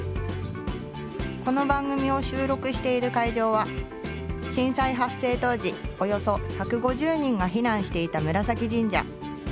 この番組を収録している会場は震災発生当時およそ１５０人が避難していた紫神社。